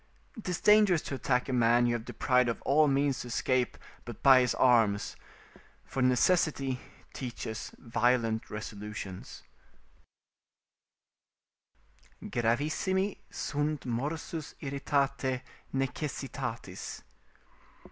'Tis dangerous to attack a man you have deprived of all means to escape but by his arms, for necessity teaches violent resolutions: "Gravissimi sunt morsus irritatae necessitatis."